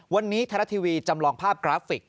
วันนี้ไทยรัฐทีวีจำลองภาพกราฟิก